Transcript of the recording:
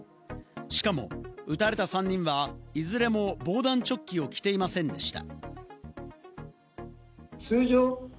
しかも撃たれた３人はいずれも防弾チョッキを着ていませんでした。